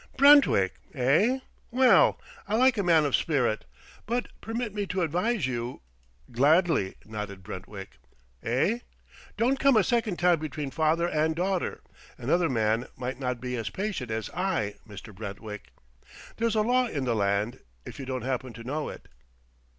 "Brentwick, eh? Well, I like a man of spirit. But permit me to advise you " "Gladly," nodded Brentwick. "Eh?... Don't come a second time between father and daughter; another man might not be as patient as I, Mister Brentwick. There's a law in the land, if you don't happen to know it."